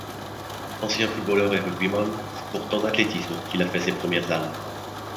Ancien footballeur et rugbyman, c’est pourtant en athlétisme qu’il a fait ses premières armes.